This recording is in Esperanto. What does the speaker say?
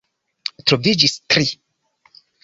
Troviĝis tri.